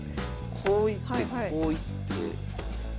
こう行ってこう行って。